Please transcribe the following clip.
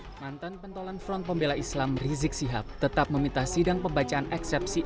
hai mantan pentolan front pembela islam rizik sihab tetap meminta sidang pembacaan eksepsi